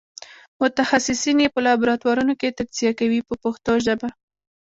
متخصصین یې په لابراتوارونو کې تجزیه کوي په پښتو ژبه.